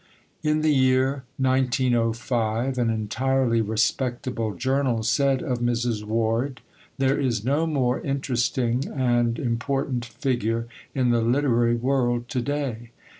In the year 1905 an entirely respectable journal said of Mrs. Ward, "There is no more interesting and important figure in the literary world to day."